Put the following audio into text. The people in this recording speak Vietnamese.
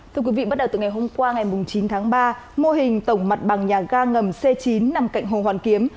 thưa quý vị bắt đầu từ ngày hôm qua ngày chín tháng ba mô hình tổng mặt bằng nhà ga ngầm c chín nằm cạnh hồ hoàn kiếm